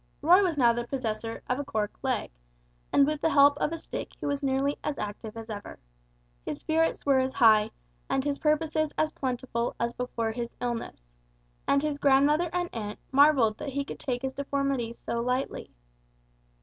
Roy was now the possessor of a cork leg; and with the help of a stick he was nearly as active as ever. His spirits were as high, and his purposes as plentiful as before his illness; and his grandmother and aunt marvelled that he could take his deformity so lightly.